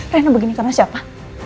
renna begini karena siapa